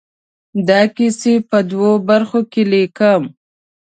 دا کیسې په دوو برخو کې ليکم.